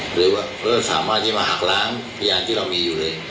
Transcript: หรือว่าสามารถที่มาหักล้างพยานที่เรามีอยู่เลย